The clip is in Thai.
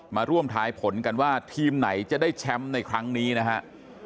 มาร่วมทายผลกันว่าทีมไหนจะได้แชมป์ในครั้งนี้นะฮะ